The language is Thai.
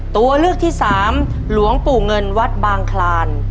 ตัวเลือกที่สามหลวงปู่เงินวัดบางคลาน